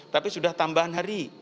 tapi sudah tambahan hari